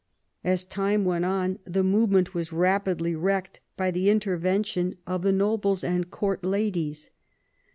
As time went on the movement was rapidly wrecked by the in tervention of the nobles and court ladies.